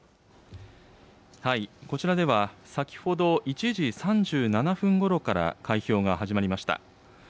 こちらでは、先ほど１時３７分ごろから開票が始まりました。